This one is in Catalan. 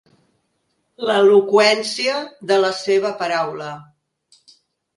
L'eloqüència de la seva paraula.